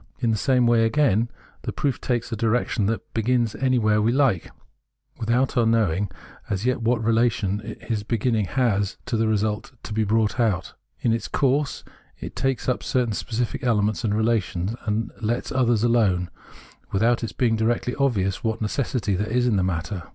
In the same way, again, the proof takes a direction that begins any where we like, without our knowing as yet what relation 'Preface 4l iliis beginning has to the result to be brought out. In its Jourse, it takes up certain specific elements and relations md lets others alone, without its being directly obvious f?hat necessity there is in the matter.